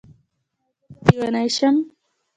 ایا زه به لیونۍ شم؟